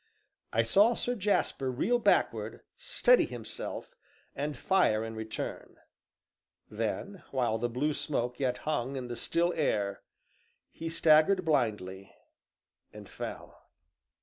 I saw Sir Jasper reel backward, steady himself, and fire in return; then, while the blue smoke yet hung in the still air, he staggered blindly, and fell.